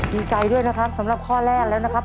ดีใจด้วยนะครับสำหรับข้อแรกแล้วนะครับ